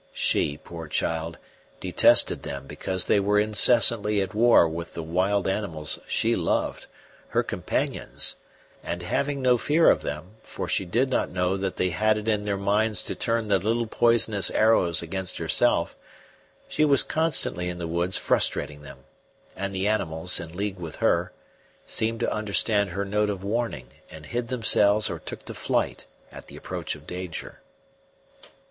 She, poor child, detested them because they were incessantly at war with the wild animals she loved, her companions; and having no fear of them, for she did not know that they had it in their minds to turn their little poisonous arrows against herself, she was constantly in the woods frustrating them; and the animals, in league with her, seemed to understand her note of warning and hid themselves or took to flight at the approach of danger.